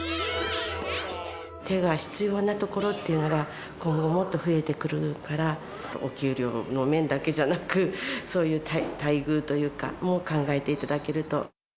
手が必要なところっていうのが今後もっと増えてくるから、お給料の面だけじゃなく、そういう待遇も考えていただけると。